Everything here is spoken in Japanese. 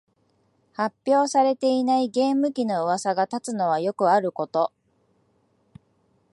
発表されていないゲーム機のうわさが立つのはよくあること